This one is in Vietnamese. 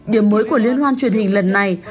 điểm mới của liên hoan truyền hình lần này